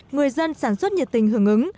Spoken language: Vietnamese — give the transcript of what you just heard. người dân sản xuất nhiệt tình hưởng ứng